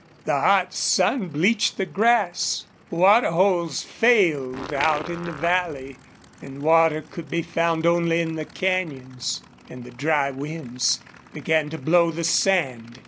The hot sun bleached the grass; water holes failed out in the valley, and water could be found only in the canyons; and the dry winds began to blow the sand.